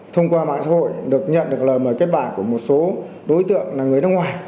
thông qua mạng xã hội được nhận được lời mời kết bạn của một số đối tượng là người nước ngoài